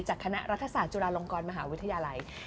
คณะรัฐศาสตร์จุฬาลงกรมหาวิทยาลัย